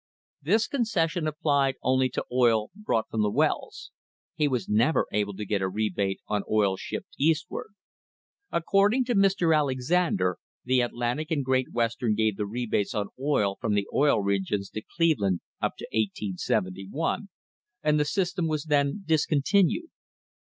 This concession applied only to oil brought from the wells. He was never able to get a rebate on oil shipped eastward.* According to Mr. Alexander, the Atlantic and Great Western gave the rebates on oil from the Oil Regions to Cleveland up to 1871 and the system was then discontinued.